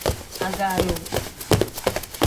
Agaayo.